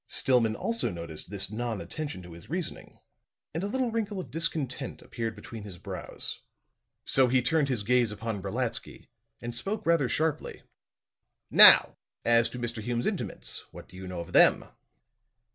Stillman also noticed this non attention to his reasoning, and a little wrinkle of discontent appeared between his brows. So he turned his gaze upon Brolatsky and spoke rather sharply. "Now, as to Mr. Hume's intimates? What do you know of them?"